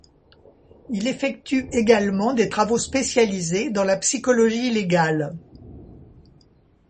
Il effectue également des travaux spécialisés dans la psychologie légale.